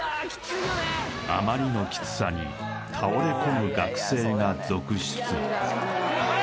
あまりのキツさに倒れ込む学生が続出頑張れ！